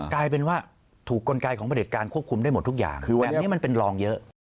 กลายเป็นว่าถูกกลไกของประเด็จการควบคุมได้หมดทุกอย่าง